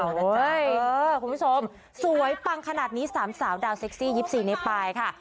คุณผู้ชมสวยปังขนาดนี้๓สาวดาวเซ็กซี่๒๔นี้ไปค่ะ